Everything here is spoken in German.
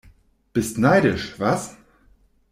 Bist neidisch, was?